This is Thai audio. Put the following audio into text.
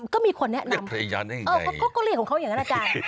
ก็มีคนแนะนำเองเขาก็เรียกของเขาอย่างนั้นอาจารย์